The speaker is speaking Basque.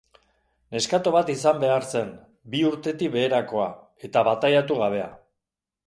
Neskato bat izan behar zen, bi urtetik beherakoa, eta bataiatu gabea.